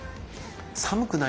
「寒くないの？」